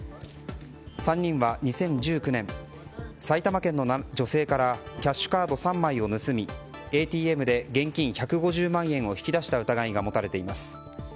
３人は２０１９年埼玉県の女性からキャッシュカード３枚を盗みＡＴＭで現金１５０万円を引き出した疑いが持たれています。